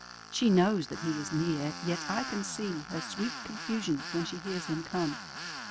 She knows that he is near, yet I can seeHer sweet confusion when she hears him come.